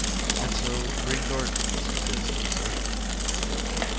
And so Green Gardens is deserted?"